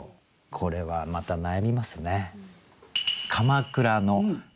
これはまた悩みますね。